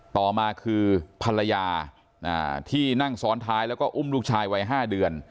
ต่อมาคือภรรยาที่นั่งซ้อนท้ายแล้วก็อุ้มลูกชายวัย๕เดือน